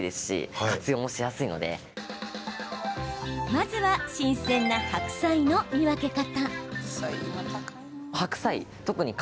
まずは、新鮮な白菜の見分け方。